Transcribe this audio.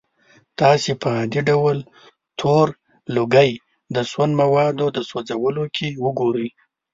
تاسې په عادي ډول تور لوګی د سون موادو د سوځولو کې ګورئ.